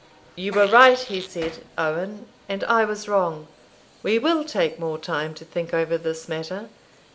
"You were right," he said, "Owen, and I was wrong; we will take more time to think over this matter.